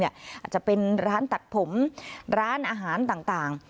อาจจะเป็นร้านตัดผมร้านอาหารต่าง